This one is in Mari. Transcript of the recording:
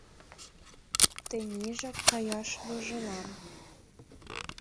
— «Тенийжак каяш вожылам».